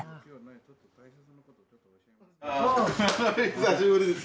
久しぶりです。